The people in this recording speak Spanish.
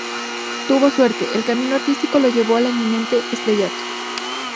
Tuvo suerte, el camino artístico lo llevó al inminente estrellato.